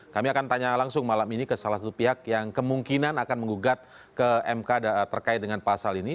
kami akan tanya langsung malam ini ke salah satu pihak yang kemungkinan akan mengugat ke mk terkait dengan pasal ini